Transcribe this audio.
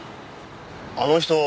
あの人